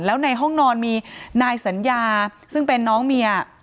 แล้วในห้องนอนมีนายสัญญาซึ่งเป็นน้องเมีย